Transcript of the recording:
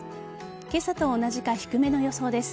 今朝と同じか低めの予想です。